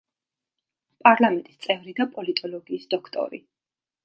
პარლამენტის წევრი და პოლიტოლოგიის დოქტორი.